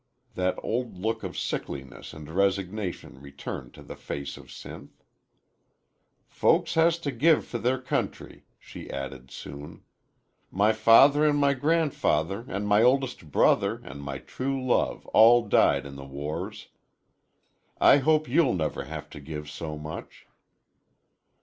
That old look of sickliness and resignation returned to the face of Sinth. "Folks has to give fer their country," she added soon. "My father an' my gran'father an' my oldest brother an' my true love all died in the wars. I hope you'll never have to give so much."